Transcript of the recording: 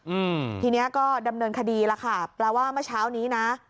อืมทีเนี้ยก็ดำเนินคดีแล้วค่ะแปลว่าเมื่อเช้านี้นะ